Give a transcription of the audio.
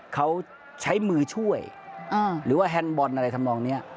เขาใช้มือช่วยหรือว่าแฮนดบอลอะไรทำนองนี้